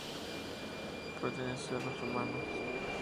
Perteneció a los romanos.